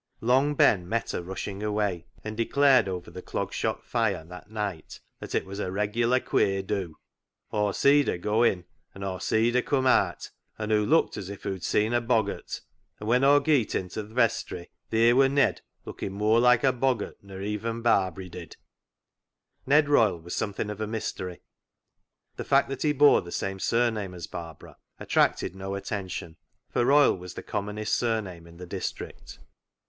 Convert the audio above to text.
Long Ben met her rushing away, and de clared over the Clog Shop fire that night that it was a " regular queer do." " Aw seed her go in, and Aw seed her come aat, and hoo' looked as if hoo'd seen a boggart ; and when Aw geet inta th' vestry, theer wor Ned lookin' moar like a boggart nor even Barbary did." AN ATONEMENT 17 Ned Royle was something of a mystery. The fact that he bore the same surname as Barbara attracted no attention, for Royle was the commonest surname in the district.